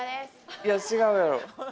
いや、違うやろ。